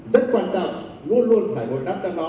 rất quan trọng luôn luôn phải ngồi đáp cho nó